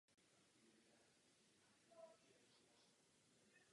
Bývalé Československo je jedním ze zakládajících členů této organizace.